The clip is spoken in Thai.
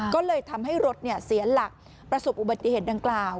ก็เลยทำให้รถเสียหลักประสบอุบัติเหตุดังกล่าว